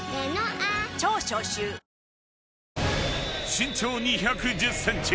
［身長２１０ｃｍ。